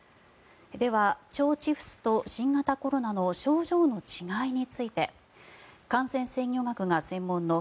では、腸チフスと新型コロナの症状の違いについて感染制御学が専門の